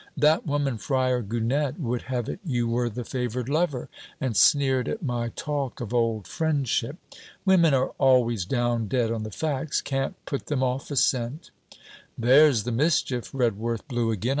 That woman Fryar Gunnett would have it you were the favoured lover, and sneered at my talk of old friendship. Women are always down dead on the facts; can't put them off a scent!' 'There's the mischief!' Redworth blew again.